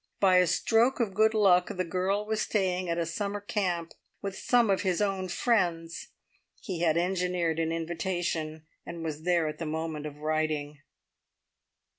By a stroke of good luck the girl was staying at a summer camp with some of his own friends. He had engineered an invitation, and was there at the moment of writing.